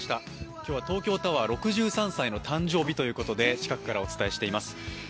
今日は東京タワー６３歳の誕生日ということで近くからお伝えしています。